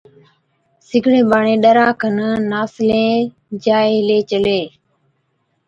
سِگڙين ٻاڙين ڏَرا کن ناسلين جائين هِلين چلين،